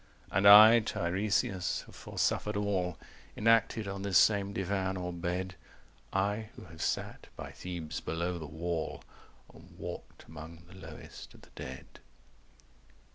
(And I Tiresias have foresuffered all Enacted on this same divan or bed; I who have sat by Thebes below the wall And walked among the lowest of the dead.)